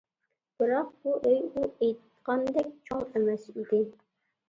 بىراق بۇ ئۆي ئۇ ئېيتقاندەك چوڭ ئەمەس ئىدى.